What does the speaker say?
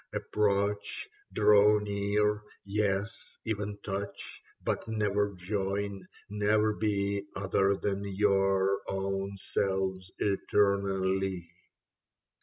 Approach, draw near. Yes, even touch : but never join, never be Other than your own selves eternally."